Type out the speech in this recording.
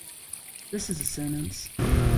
This is a sentence.